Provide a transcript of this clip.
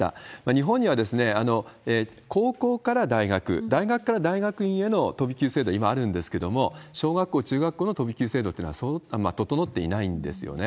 日本には高校から大学、大学から大学院への飛び級制度、今あるんですけれども、小学校、中学校の飛び級制度っていうのは整っていないんですよね。